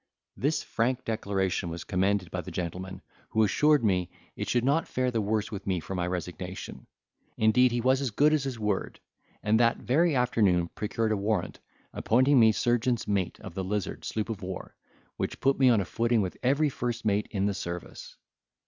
This frank declaration was commended by the gentleman, who assured me, it should not fare the worse with me for my resignation. Indeed he was as good as his word, and that very afternoon procured a warrant, appointing me surgeon's mate of the Lizard sloop of war, which put me on a footing with every first mate in the service.